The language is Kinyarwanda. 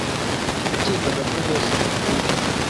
Nakekaga ko bose bahuje,